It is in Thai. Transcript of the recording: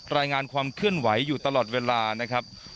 รายงานความเคลื่อนไหวอยู่ตลอดเวลานะครับ